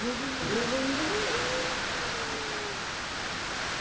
ネズミなんだ。